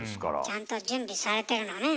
ちゃんと準備されてるのね。